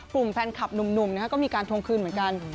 กลุ่มแฟนคลับหนุ่มก็มีการทวงคืนเหมือนกัน